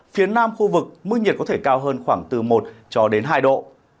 phía nam khu vực mức nhiệt có thể cao hơn khoảng từ một cho đến hai độ